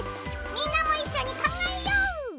みんなもいっしょにかんがえよう！